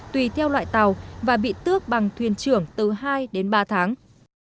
tùy theo loại tàu và bị tước bằng thuyền trưởng từ hai đến ba tháng